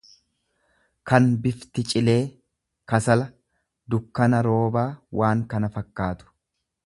kan bifti cilee, kasala, dukkana roobaa waan kana fakkaatu.